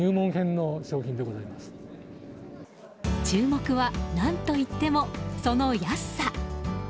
注目は何といってもその安さ。